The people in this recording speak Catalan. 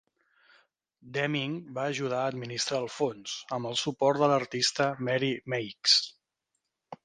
Deming va ajudar a administrar el Fons, amb el suport de l'artista Mary Meigs.